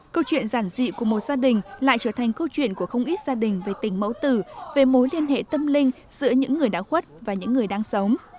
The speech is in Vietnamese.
câu chuyện giản dị của một gia đình lại trở thành câu chuyện của không ít gia đình về tình mẫu tử về mối liên hệ tâm linh giữa những người đã khuất và những người đang sống